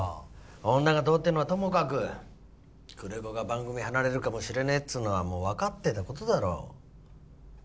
女がどうってのはともかく久連木が番組離れるかもしれねえっつうのはもうわかってた事だろ。